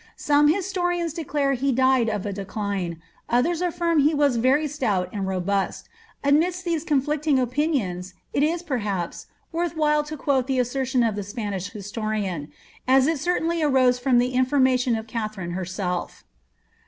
Some historians declare he died of a decline, others affirm that he was very stout and robust : aoiidst these conflicting opinions, it is, perhaps, worth while to quote tbe assertion of the Spanish historian, as it certainly arose from the m (braiation of Katharine herself.